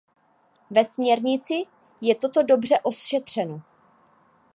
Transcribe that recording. Ve směrnici je toto dobře ošetřeno.